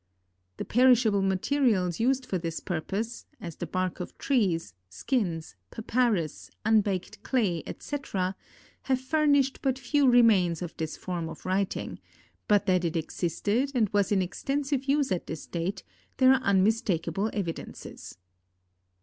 The perishable materials used for this purpose, as the bark of trees, skins, papyrus, unbaked clay, etc., have furnished but few remains of this form of writing, but that it existed and was in extensive use at this date, there are unmistakeable evidences.